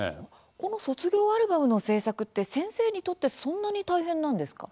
この卒業アルバムの制作って先生にとってそんなに大変なんですか？